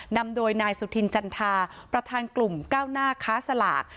นำโดยนายสุธินจันทาประธานกลุ่มก้าวหน้าค้าสลาก